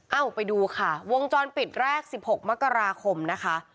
ไปดูค่ะวงจรปิดแรก๑๖มกราคมนะคะ